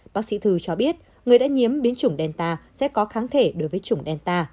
bác sĩ thư cho biết người đã nhiễm biến chủng delta sẽ có kháng thể đối với chủng delta